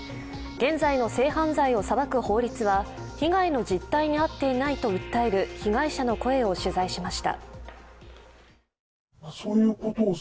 現在の性犯罪を裁く法律は被害の実態に合っていないと訴える被害者の声を取材しました。